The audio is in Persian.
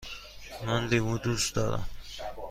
من لیمو دوست دارم.